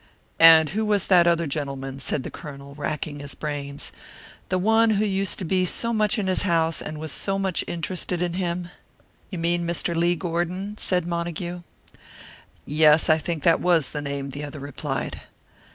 "And who was that other gentleman?" said the Colonel, racking his brains. "The one who used to be so much in his house, and was so much interested in him " "You mean Mr. Lee Gordon?" said Montague. "Yes, I think that was the name," the other replied.